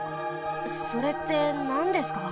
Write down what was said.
それってなんですか？